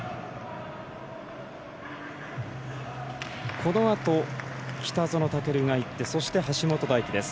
このあと、北園丈琉がいてそして、橋本大輝です。